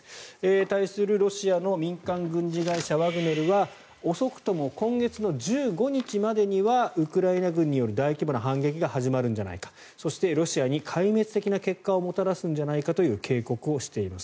対するロシアの民間軍事会社ワグネルは遅くとも今月１５日までにはウクライナ軍による大規模な反撃が始まるんじゃないかそして、ロシアに壊滅的な結果をもたらすんじゃないかという警告をしています。